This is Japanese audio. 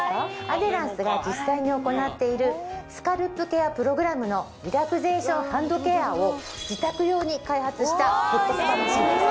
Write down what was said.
アデランスが実際に行っているスカルプケアプログラムのリラクゼーションハンドケアを自宅用に開発したヘッドスパマシンです。